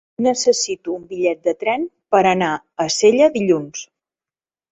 Necessito un bitllet de tren per anar a Sella dilluns.